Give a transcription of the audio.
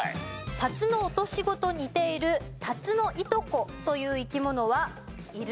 タツノオトシゴと似ているタツノイトコという生き物はいる？